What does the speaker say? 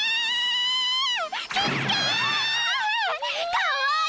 かわいい！